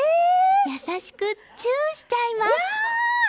優しくチューしちゃいます！